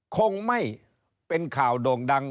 คงไม่เป็นข่าวโด่งดัง